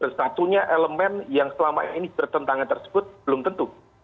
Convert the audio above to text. bersatunya elemen yang selama ini bertentangan tersebut belum tentu